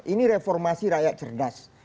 ini reformasi rakyat cerdas